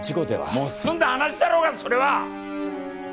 もう済んだ話だろうがそれは！